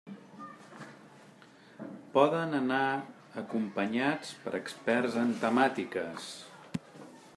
Poden anar acompanyats per experts en temàtiques.